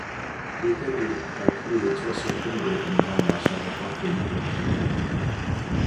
Hyd heddiw, mae plu Tywysog Cymru yn ymddangos ar fathodyn y clwb criced.